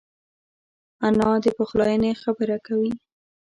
انا د پخلاینې خبره کوي